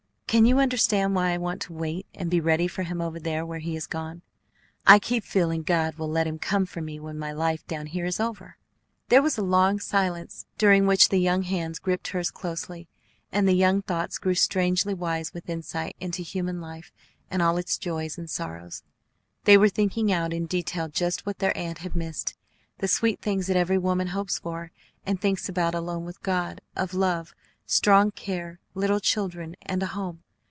Can you understand why I want to wait and be ready for him over there where he is gone? I keep feeling God will let him come for me when my life down here is over." There was a long silence during which the young hands gripped hers closely, and the young thoughts grew strangely wise with insight into human life and all its joys and sorrows. They were thinking out in detail just what their aunt had missed, the sweet things that every woman hopes for, and thinks about alone with God; of love, strong care, little children, and a home.